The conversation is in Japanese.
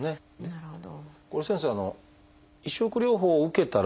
なるほど。